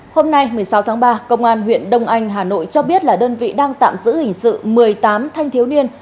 hôm nay một mươi sáu tháng ba công an huyện đông anh hà nội cho biết là đơn vị đang tạm giữ hình sự một mươi tám thanh thiếu niên